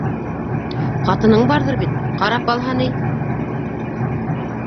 Ҡатының барҙыр бит, ҡарап алһа ней?